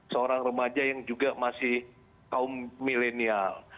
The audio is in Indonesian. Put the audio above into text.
seorang remaja yang juga masih kaum milenial